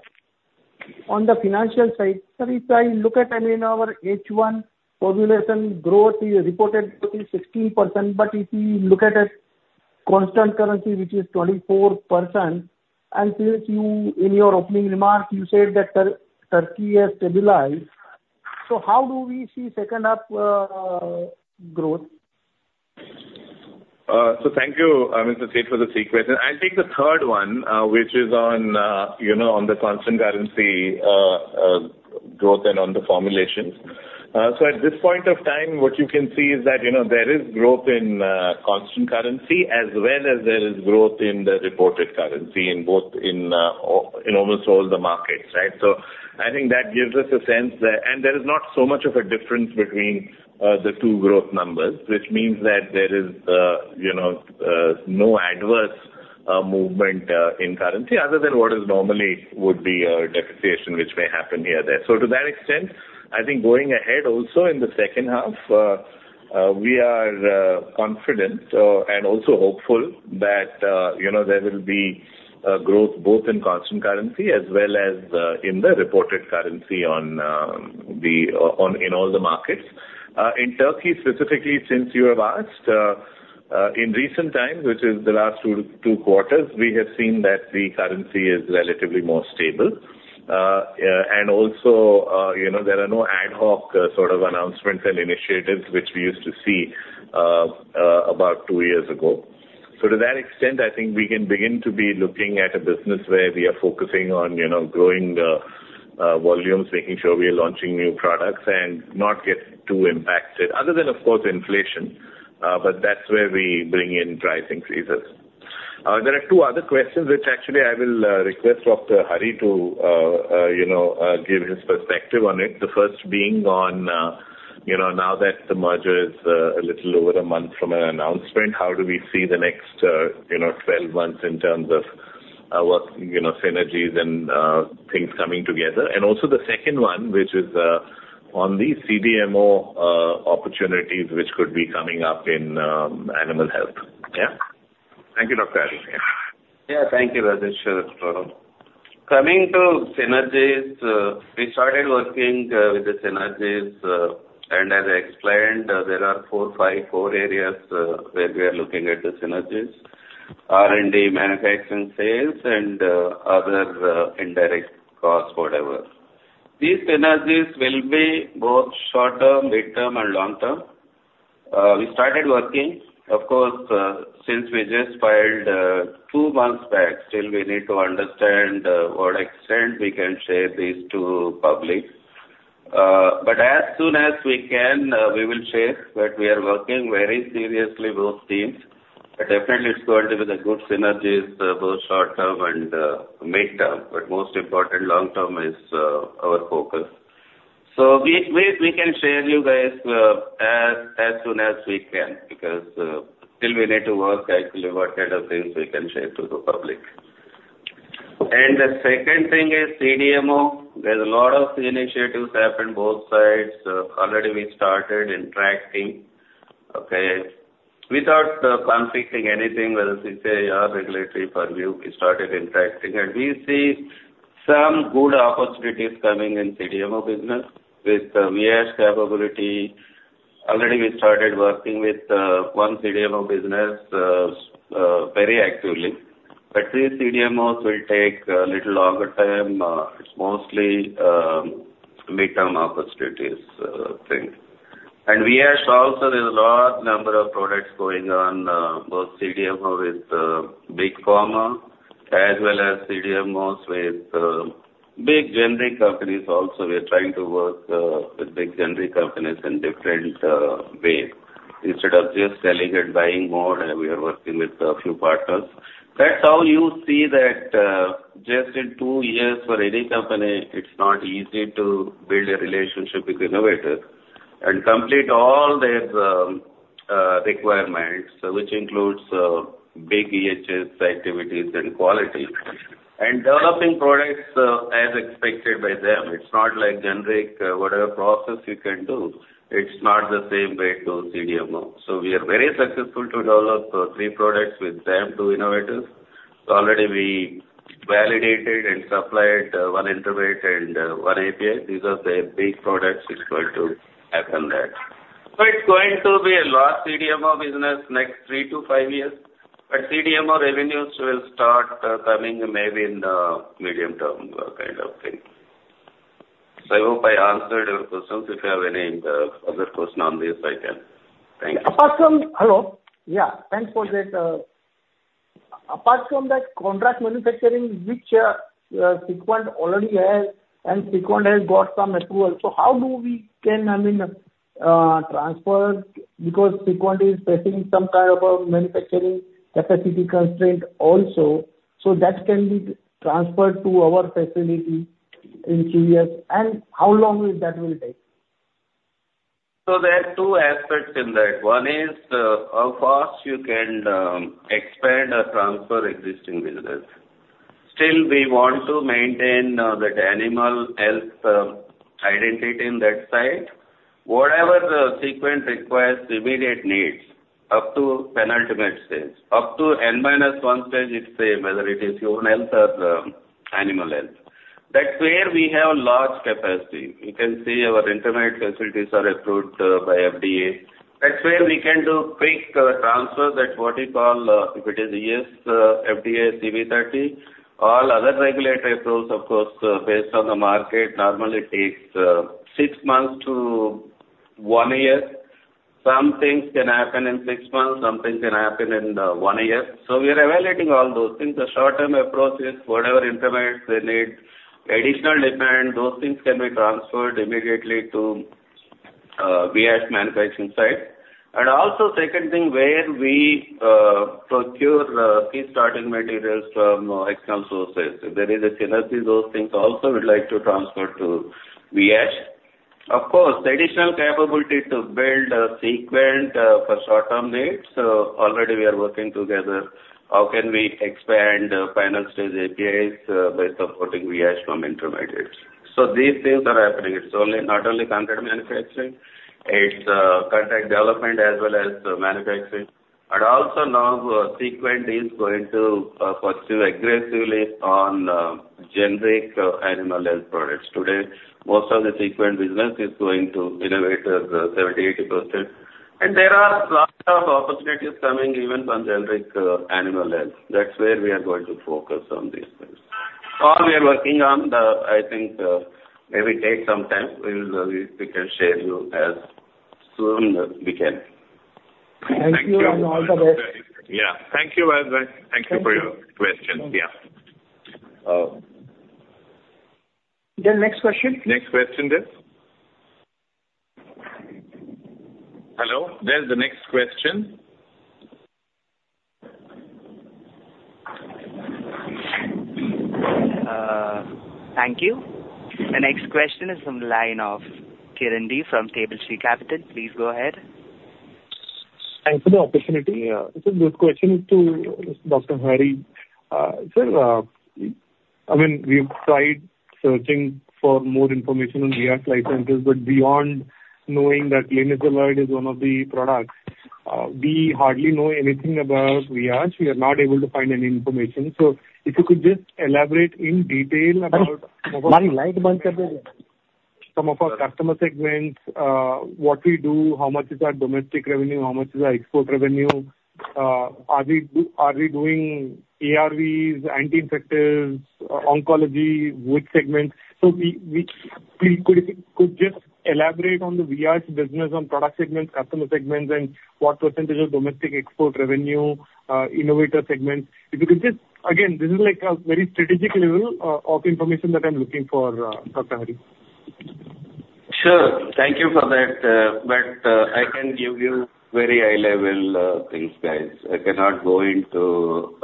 on the financial side, sir, if I look at our H1 formulation growth is reported 16%, but if we look at it constant currency, which is 24%, and since you, in your opening remarks, you said that Turkey has stabilized. How do we see second half growth? Thank you, Mr. Sheth, for the three questions. I'll take the third one, which is on the constant currency growth and on the formulations. At this point of time, what you can see is that there is growth in constant currency as well as there is growth in the reported currency in almost all the markets. Right? I think that gives us a sense there. There is not so much of a difference between the two growth numbers, which means that there is no adverse movement in currency other than what is normally would be a depreciation, which may happen here or there. To that extent, I think going ahead also in the second half, we are confident and also hopeful that there will be growth both in constant currency as well as in the reported currency in all the markets. In Turkey, specifically, since you have asked, in recent times, which is the last two quarters, we have seen that the currency is relatively more stable. Also, there are no ad hoc sort of announcements and initiatives which we used to see about two years ago. To that extent, I think we can begin to be looking at a business where we are focusing on growing volumes, making sure we are launching new products, and not get too impacted. Other than, of course, inflation, but that's where we bring in price increases. There are two other questions, which actually I will request Dr. Hari to give his perspective on it. The first being on, now that the merger is a little over a month from an announcement, how do we see the next 12 months in terms of what synergies and things coming together? Also the second one, which is on the CDMO opportunities, which could be coming up in animal health. Thank you, Dr. Hari. Yeah. Thank you, Raja. Sure. Coming to synergies, we started working with the synergies, and as I explained, there are four areas where we are looking at the synergies. R&D, manufacturing, sales, and other indirect costs, whatever. These synergies will be both short-term, mid-term, and long-term. We started working, of course, since we just filed two months back. Still, we need to understand what extent we can share this to public. As soon as we can, we will share. We are working very seriously, both teams. Definitely it's going to be the good synergies, both short-term and mid-term. Most important, long-term is our focus. We can share you guys as soon as we can, because still we need to work actually what kind of things we can share to the public. The second thing is CDMO. There's a lot of initiatives happen both sides. Already we started interacting. Okay? Without conflicting anything, whether CCI or regulatory purview, we started interacting and we see some good opportunities coming in CDMO business with Viyash capability. Already we started working with one CDMO business very actively. These CDMOs will take a little longer time. It's mostly mid-term opportunities thing. Viyash also, there's a large number of products going on both CDMO with Big Pharma as well as CDMOs with big generic companies also. We are trying to work with big generic companies in different ways. Instead of just selling and buying more, we are working with a few partners. That's how you see that just in two years for any company, it's not easy to build a relationship with innovators and complete all their requirements, which includes big EHS activities and quality and developing products as expected by them. It's not like generic, whatever process you can do, it's not the same way to CDMO. We are very successful to develop three products with them, two innovators. Already we validated and supplied one intermediate and one API. These are the big products it's going to happen there. It's going to be a large CDMO business next three to five years. CDMO revenues will start coming maybe in the medium term kind of thing. I hope I answered your questions. If you have any other question on this, I can. Thank you. Hello? Yeah, thanks for that. Apart from that contract manufacturing, which SeQuent already has, and SeQuent has got some approval. How do we transfer, because SeQuent is facing some kind of a manufacturing capacity constraint also. That can be transferred to our facility in two years. How long will that take? There are two aspects in that. One is how fast you can expand or transfer existing business. Still, we want to maintain that animal health identity in that side. Whatever SeQuent requires immediate needs, up to penultimate stage, up to N-1 stage, it's same, whether it is human health or animal health. That's where we have large capacity. You can see our intermediate facilities are approved by FDA. That's where we can do quick transfers, that's what you call, if it is US FDA CBE-30. All other regulatory approvals, of course, based on the market, normally takes six months to one year. Some things can happen in six months, some things can happen in one year. We are evaluating all those things. The short-term approach is whatever intermediates they need, additional demand, those things can be transferred immediately to Viyash manufacturing site. Second thing, where we procure key starting materials from external sources. If there is a synergy, those things also we'd like to transfer to Viyash. Of course, additional capability to build a SeQuent for short-term needs. Already we are working together. How can we expand final stage APIs by supporting Viyash from intermediates? These things are happening. It's not only contract manufacturing, it's contract development as well as manufacturing. Now, SeQuent is going to pursue aggressively on generic animal health products. Today, most of the SeQuent business is going to innovators, 70%-80%. There are lots of opportunities coming even from generic animal health. That's where we are going to focus on these things. All we are working on, I think, maybe take some time. We can share you as soon as we can. Thank you and all the best. Yeah. Thank you. Thank you for your question. Yeah. Next question, please. Next question, please. Hello, there's the next question. Thank you. The next question is from the line of Kiran D. from TableTree Capital. Please go ahead. Thanks for the opportunity. This question is to Dr. Hari. Sir, we've tried searching for more information on Viyash Life Sciences, but beyond knowing that linaclotide is one of the products, we hardly know anything about Viyash. We are not able to find any information. If you could just elaborate in detail about Some of our customer segments, what we do, how much is our domestic revenue, how much is our export revenue, are we doing ARV, anti-infectives, oncology, which segments? If you could just elaborate on the Viyash business on product segments, customer segments, and what percentage of domestic export revenue, innovator segments. If you could just, again, this is a very strategic level of information that I'm looking for, Dr. Hari. Sure. Thank you for that. I can give you very high-level things, guys. I cannot go into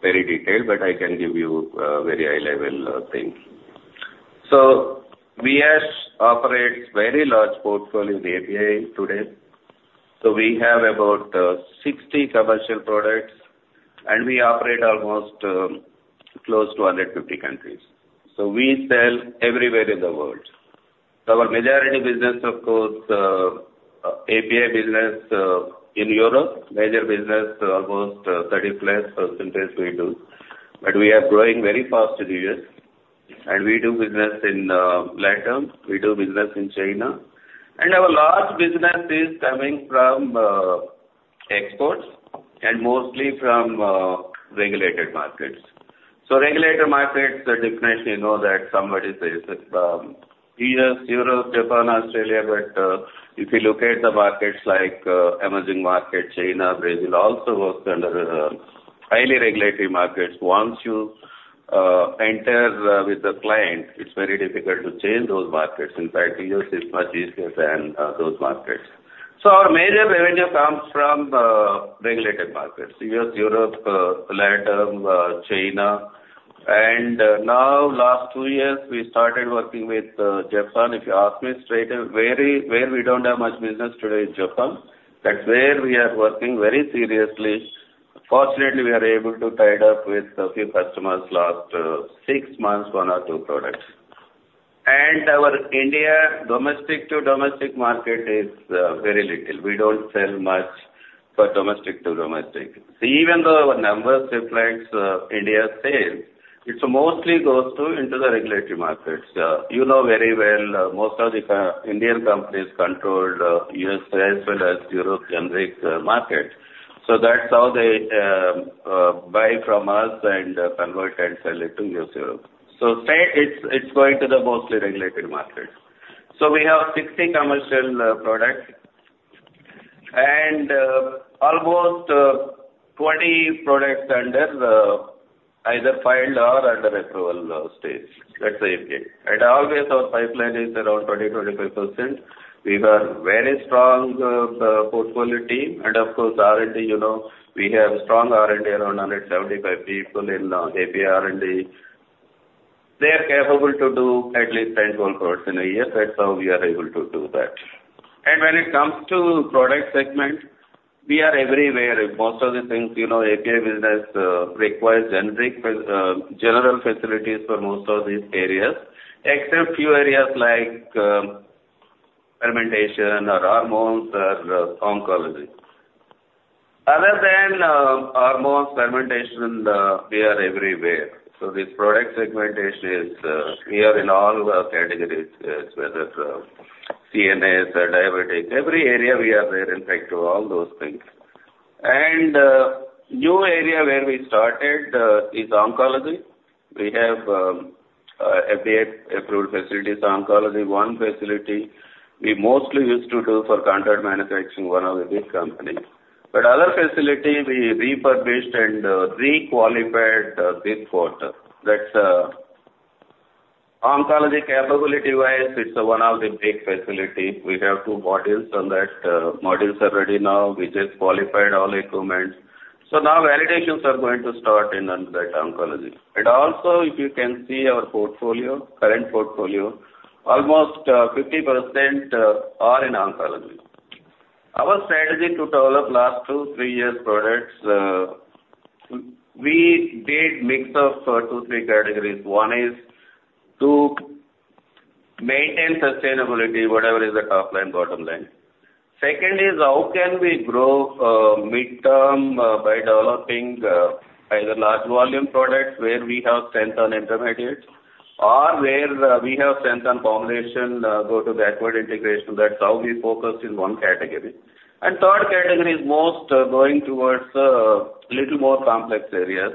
very detail, I can give you very high-level things. Viyash operates very large portfolio in the API today. We have about 60 commercial products, and we operate almost close to 150 countries. We sell everywhere in the world. Our majority business, of course, API business in Europe, major business almost 30%+ we do. We are growing very fast in the U.S., and we do business in LatAm, we do business in China. Our large business is coming from exports, and mostly from regulated markets. Regulated markets, definitely you know that somebody says it's U.S., Europe, Japan, Australia. If you look at the markets like emerging markets, China, Brazil, also works under highly regulated markets. Once you enter with the client, it's very difficult to change those markets. In fact, U.S. is much easier than those markets. Our major revenue comes from regulated markets, U.S., Europe, LatAm, China. Now, last two years, we started working with Japan. If you ask me straight away, where we don't have much business today is Japan. That's where we are working very seriously. Fortunately, we are able to tied up with a few customers last six months, one or two products. Our India domestic-to-domestic market is very little. We don't sell much for domestic-to-domestic. Even though our numbers reflects India sale, it mostly goes into the regulatory markets. You know very well, most of the Indian companies controlled U.S. as well as Europe generic market. That's how they buy from us and convert and sell it to U.S., Europe. Say it's going to the mostly regulated markets. We have 60 commercial products. Almost 20 products under either filed or under approval stage. That's the API. Always our pipeline is around 20%, 25%. We have a very strong portfolio team. Of course, R&D, you know we have strong R&D, around 175 people in API R&D. They are capable to do at least 10, 12 products in a year. That's how we are able to do that. When it comes to product segment, we are everywhere. Most of the things, API business requires generic, general facilities for most of these areas, except few areas like fermentation or hormones or oncology. Other than hormones, fermentation, we are everywhere. This product segmentation is we are in all the categories, whether it's CNS or diabetic. Every area we have there, in fact, to all those things. New area where we started is oncology. We have FDA-approved facilities, oncology. One facility we mostly used to do for contract manufacturing, one of the big company. Other facility we refurbished and re-qualified this quarter. That's oncology capability-wise, it's one of the big facilities. We have two modules on that. Modules are ready now. We just qualified all equipment. Now validations are going to start in under that oncology. Also, if you can see our portfolio, current portfolio, almost 50% are in oncology. Our strategy to develop last two, three years products, we did mix of two, three categories. One is to maintain sustainability, whatever is the top line, bottom line. Second is how can we grow mid-term by developing either large volume products where we have strength on intermediates, or where we have strength on combination, go to backward integration. That's how we focused in one category. Third category is most going towards a little more complex areas,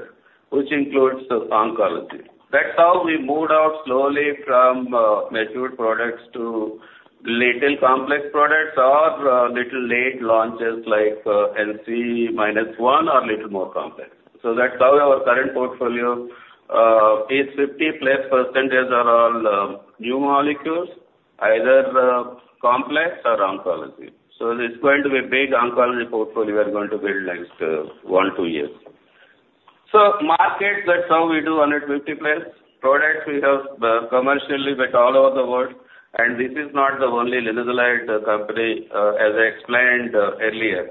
which includes oncology. That's how we moved out slowly from matured products to little complex products or little late launches like NCE-1 or little more complex. That's how our current portfolio is 50%+ are all new molecules, either complex or oncology. It's going to be big oncology portfolio we're going to build next one, two years. Market, that's how we do 150+ products we have commercially with all over the world. This is not the only linezolid company, as I explained earlier.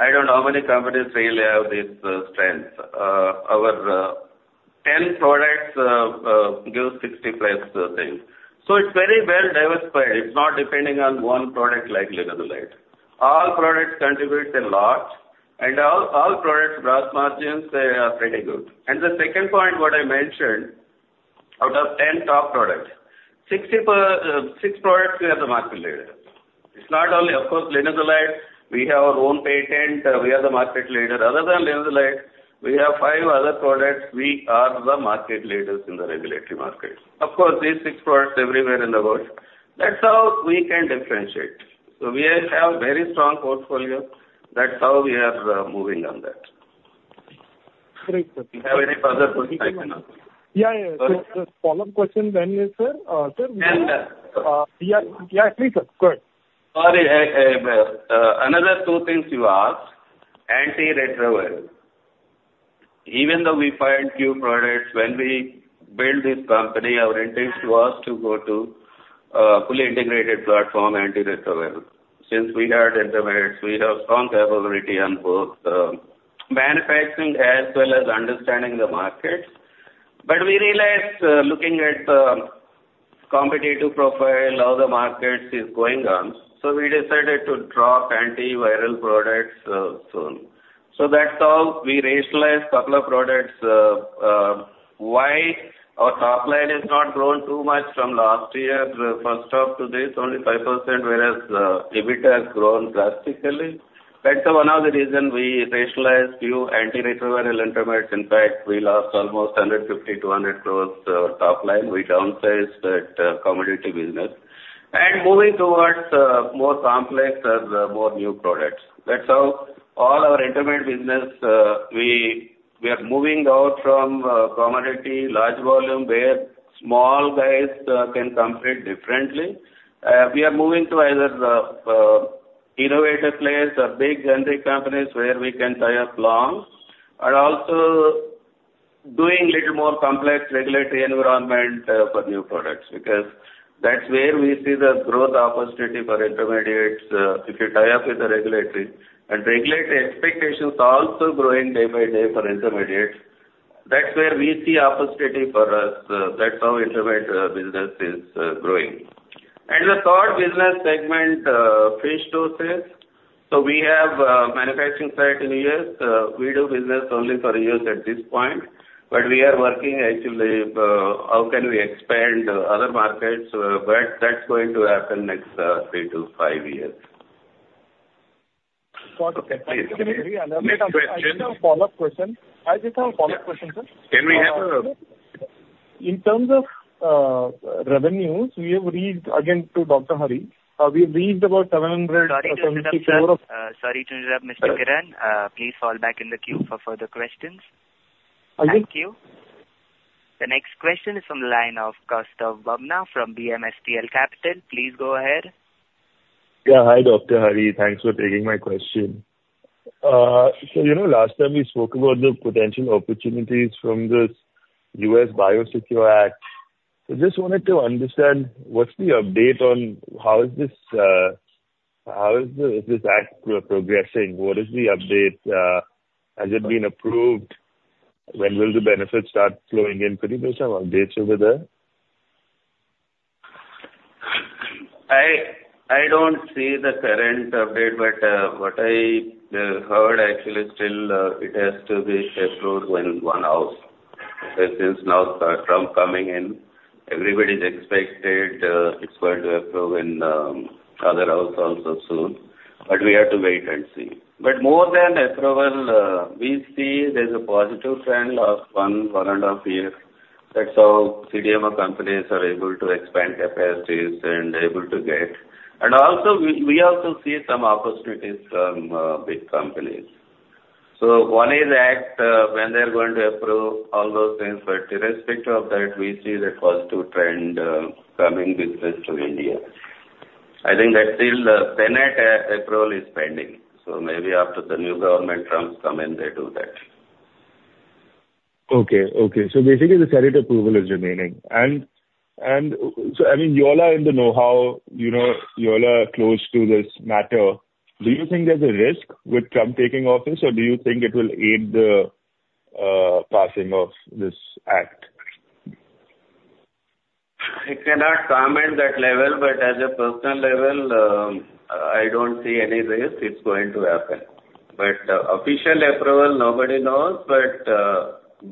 I don't know how many companies really have this strength. Our 10 products give 60+ sales. It's very well diversified. It's not depending on one product like linezolid. All products contribute a lot. All products' gross margins are pretty good. The second point, what I mentioned, out of 10 top products, six products we are the market leader. It's not only, of course, linezolid. We have our own patent. We are the market leader. Other than linezolid, we have five other products. We are the market leaders in the regulatory market. Of course, these six products everywhere in the world. That's how we can differentiate. We have a very strong portfolio. That's how we are moving on that. Great. Do you have any further questions I can answer? Yeah. Sorry. Follow-up question, sir. Yeah. Yeah, please, sir. Go ahead. Sorry. Another two things you asked. Antiretrovirals. Even though we find few products, when we build this company, our intent was to go to a fully integrated platform, antiretroviral. We have intermediates, we have strong capability on both manufacturing as well as understanding the market. We realized, looking at the competitive profile, how the market is going on, we decided to drop antiviral products soon. That's how we rationalized a couple of products. Why our top line has not grown too much from last year, first half to this, only 5%, whereas EBITDA has grown drastically. That's one of the reasons we rationalized few antiretroviral intermediates. In fact, we lost almost 150 crore to 100 crore top line. We downsized that commodity business and moving towards more complex and more new products. That's how all our intermediate business, we are moving out from commodity, large volume, where small guys can compete differently. We are moving to either the innovator place or big generic companies where we can tie up long. Also doing little more complex regulatory environment for new products, because that's where we see the growth opportunity for intermediates. If you tie up with the regulatory, and regulatory expectations are also growing day by day for intermediates. That's where we see opportunity for us. That's how intermediate business is growing. The third business segment, free sources. We have a manufacturing site in U.S. We do business only for U.S. at this point, but we are working actually how can we expand other markets, but that's going to happen next three to five years. Next question. I just have a follow-up question, sir. Can we have? In terms of revenues, again to Dr. Hari, we have reached about 754- Sorry to interrupt, Mr. Kiran. Please fall back in the queue for further questions. Again. Thank you. The next question is from the line of Kaustav Bubna from BMSPL Capital. Please go ahead. Yeah. Hi, Dr. Hari. Thanks for taking my question. Last time we spoke about the potential opportunities from this U.S. BIOSECURE Act. Just wanted to understand what's the update on how is this act progressing? What is the update? Has it been approved? When will the benefits start flowing in? Could you please share updates over there? I don't see the current update, but what I heard actually, still it has to be approved in one House. Since now Trump coming in, everybody's expected it's going to approve in other House also soon. We have to wait and see. More than approval, we see there's a positive trend of one and a half year. That's how CDMO companies are able to expand capacities. We also see some opportunities from big companies. One is act, when they're going to approve all those things. Irrespective of that, we see the positive trend coming business to India. I think that still Senate approval is pending. Maybe after the new government Trump come in, they do that. Okay. Basically, the Senate approval is remaining. You all are in the knowhow, you all are close to this matter. Do you think there's a risk with Trump taking office or do you think it will aid the passing of this act? I cannot comment that level, but at a personal level, I don't see any risk it's going to happen. Official approval, nobody knows, but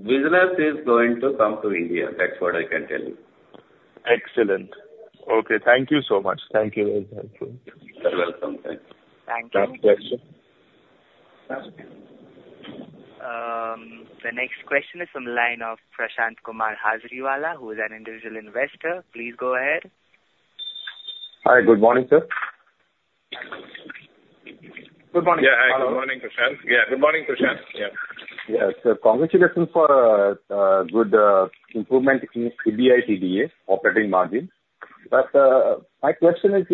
business is going to come to India. That's what I can tell you. Excellent. Okay, thank you so much. Thank you. You're welcome. Thanks. Thank you. Next question. The next question is from the line of Prashantkumar Hazariwala, who is an individual investor. Please go ahead. Hi. Good morning, sir. Good morning, Prashant. Yeah. Sir, congratulations for good improvement in EBITDA operating margin. My question is,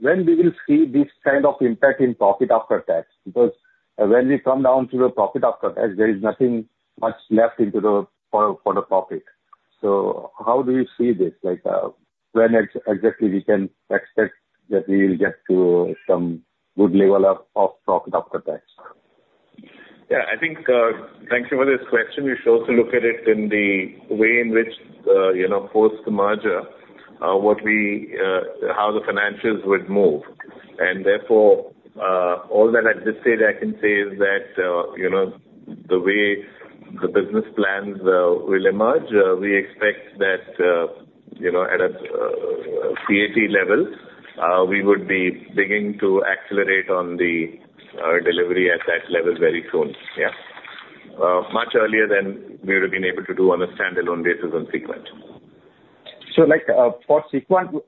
when we will see this kind of impact in profit after tax? When we come down to the profit after tax, there is nothing much left for the profit. How do you see this? When exactly we can expect that we will get to some good level of profit after tax? Yeah. Thank you for this question. We should also look at it in the way in which, post the merger, how the financials would move. All that at this stage I can say is that the way the business plans will emerge, we expect that at a PAT level, we would be beginning to accelerate on the delivery at that level very soon. Yeah. Much earlier than we would have been able to do on a standalone basis on SeQuent. For SeQuent,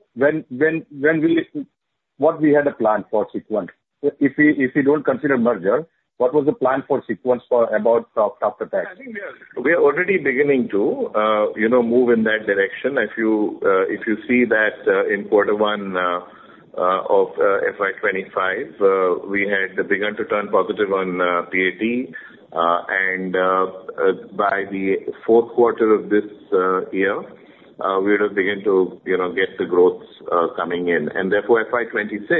what we had a plan for SeQuent. If we don't consider merger, what was the plan for SeQuent for about top, after that? I think we are already beginning to move in that direction. If you see that in quarter one of FY 2025, we had began to turn positive on PAT, and by the fourth quarter of this year, we would have began to get the growth coming in. Therefore, FY 2026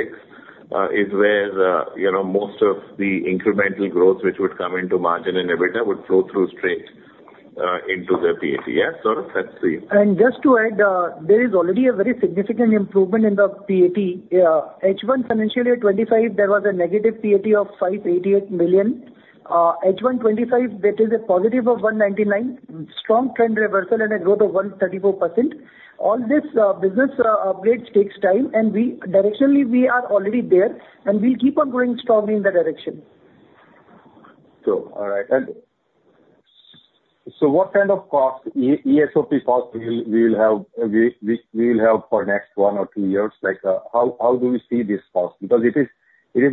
is where most of the incremental growth which would come into margin and EBITDA would flow through straight into the PAT. Yeah, Saurav? That's for you. Just to add, there is already a very significant improvement in the PAT. H1 financial year 2025, there was a negative PAT of 588 million. H1 2025, that is a positive of 199 million, strong trend reversal and a growth of 134%. All this business upgrade takes time, and directionally, we are already there, and we'll keep on going strongly in that direction. All right. What kind of ESOP cost we will have for next one or two years? How do we see this cost? It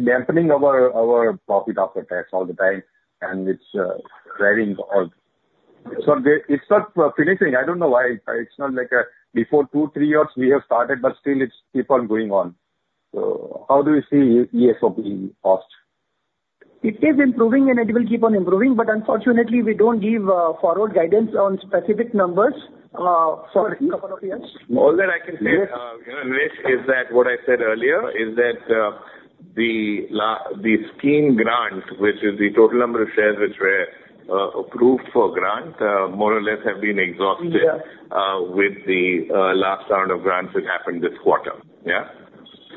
is dampening our profit after tax all the time, and it's rising all. It's not finishing. I don't know why. It's not like before two, three years, we have started, but still, it keep on going on. How do you see ESOP cost? It is improving and it will keep on improving, but unfortunately, we don't give forward guidance on specific numbers for a couple of years. All that I can say, Prashant, is what I said earlier, is that the scheme grant, which is the total number of shares which were approved for grant, more or less have been exhausted. Yeah. With the last round of grants that happened this quarter.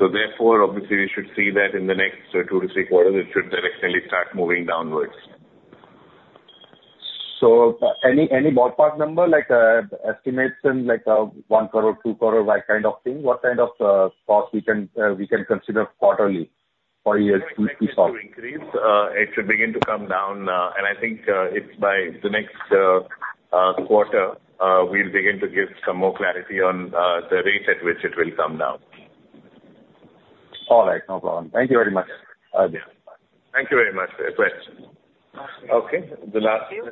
Therefore, obviously, we should see that in the next two to three quarters, it should directionally start moving downward. Any ballpark number, like estimation, like 1 crore, 2 crore, that kind of thing? What kind of cost we can consider quarterly for years 2022 onwards? It should begin to come down. I think it's by the next quarter, we'll begin to give some more clarity on the rates at which it will come down. All right. No problem. Thank you very much. Thank you very much for your question. Awesome. Okay. Thank you.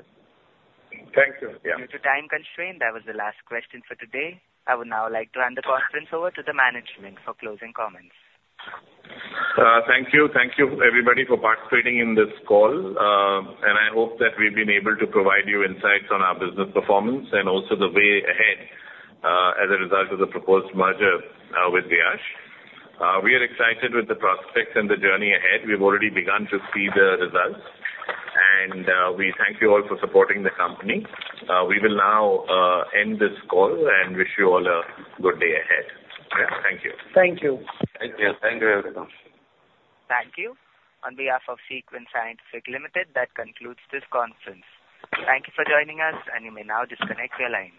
Thank you. Yeah. Due to time constraint, that was the last question for today. I would now like to hand the conference over to the management for closing comments. Thank you. Thank you, everybody, for participating in this call. I hope that we've been able to provide you insights on our business performance and also the way ahead, as a result of the proposed merger with Viyash. We are excited with the prospects and the journey ahead. We've already begun to see the results. We thank you all for supporting the company. We will now end this call and wish you all a good day ahead. Thank you. Thank you. Thank you, everyone. Thank you. On behalf of SeQuent Scientific Limited, that concludes this conference. Thank you for joining us, and you may now disconnect your lines.